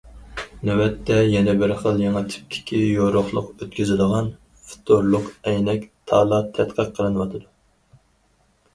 نۆۋەتتە يەنە بىر خىل يېڭى تىپتىكى يورۇقلۇق ئۆتكۈزىدىغان فىتورلۇق ئەينەك تالا تەتقىق قىلىنىۋاتىدۇ.